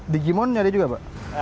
digimon nyari juga mbak